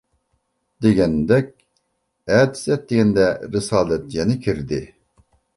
دېگەندەك ئەتىسى ئەتىگەندە رىسالەت يەنە كىردى.